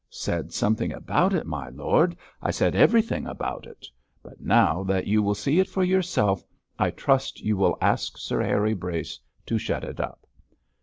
'Said something about it, my lord; I said everything about it, but now that you will see it for yourself, I trust you will ask Sir Harry Brace to shut it up.'